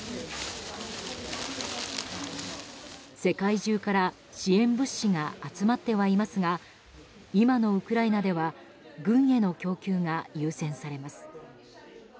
世界中から支援物資が集まってはいますが今のウクライナでは軍への供給が優先されます。